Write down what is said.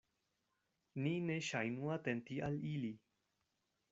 Ni ne ŝajnu atenti al ili.